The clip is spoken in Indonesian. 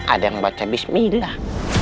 ada yang baca bismillah